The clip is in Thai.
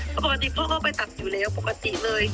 ปกติพ่อก็ไปตัดอยู่แล้วปกติเลย